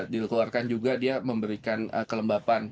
dikeluarkan juga dia memberikan kelembapan